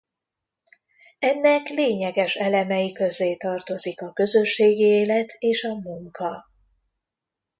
Ennek lényeges elemei közé tartozik a közösségi élet és a munka.